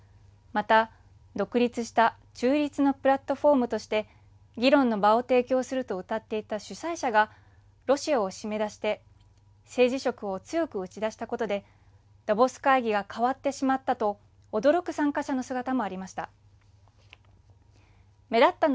また、独立した中立のプラットホームとして議論の場を提供するとうたっていた主催者がロシアを締め出して政治色を強く打ち出したことでダボス会議が変わってしまったと驚く参加者の姿もありました。